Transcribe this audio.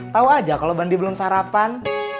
tahu aja kalau bandi belum sarapan